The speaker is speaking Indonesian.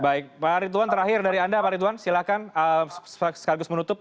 baik pak harid tuhan terakhir dari anda pak harid tuhan silahkan sekaligus menutup